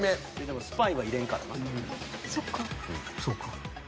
そうか。